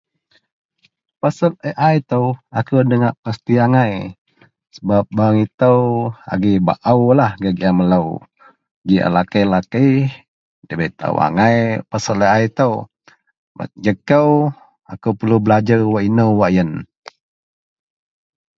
pasel AI itou akou dagak pasti agai sebab barang itou agei baauiah gak giaan melou, ji alakei-lakei dabei taau agai pasel AI itou, gak kou akou perlu belajer wak inou wak yen